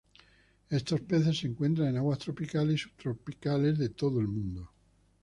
Estos peces se encuentran en aguas tropicales y subtropicales de todo el mundo.